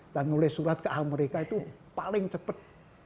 dan menulis surat ke amerika itu paling cepat